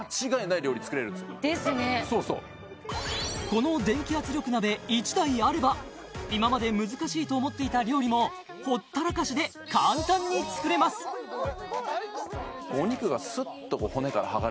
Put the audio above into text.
そうそうこの電気圧力鍋１台あれば今まで難しいと思っていた料理もほったらかしで簡単に作れますほら